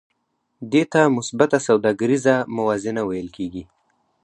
دې ته مثبته سوداګریزه موازنه ویل کېږي